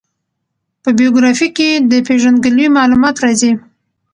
په بېوګرافي کښي د پېژندګلوي معلومات راځي.